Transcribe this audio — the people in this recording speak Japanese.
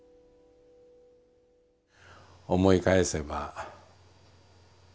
思い返せば。